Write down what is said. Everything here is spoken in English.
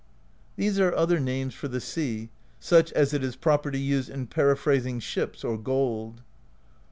These are other names for the Sea, such as it is proper to use in periphrasing ships or gold.